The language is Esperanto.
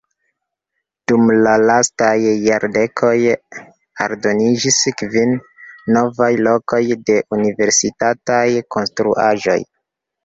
Dum la lastaj jardekoj aldoniĝis kvin novaj lokoj de universitataj konstruaĵoj.